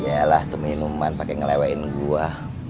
yalah itu minuman pake ngelewain gue